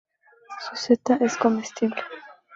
Su seta es comestible.